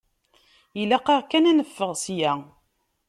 Ilaq-aɣ kan ad neffeɣ ssya.